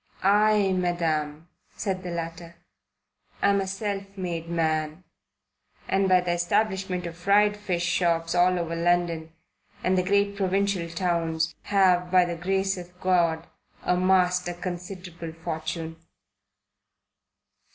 "I, Madam," said the latter, "am a self made man, and by the establishment of fried fish shops all over London and the great provincial towns, have, by the grace of God, amassed a considerable fortune."